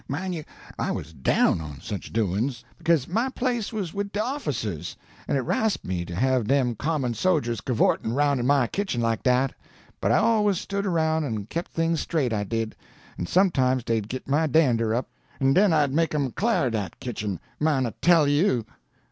Mine you, I was DOWN on sich doin's; beca'se my place was wid de officers, an' it rasp me to have dem common sojers cavortin' roun' in my kitchen like dat. But I alway' stood aroun' an kep' things straight, I did; an' sometimes dey'd git my dander up, an' den I'd make 'em clar dat kitchen, mine I TELL you!